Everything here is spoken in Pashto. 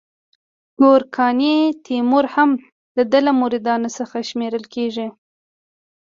ګورکاني تیمور هم د ده له مریدانو څخه شمیرل کېده.